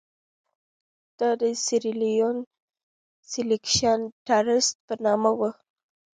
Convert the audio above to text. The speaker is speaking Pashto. دا د سیریلیون سیلکشن ټرست په نامه وو.